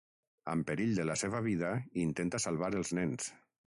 Amb perill de la seva vida, intenta salvar els nens.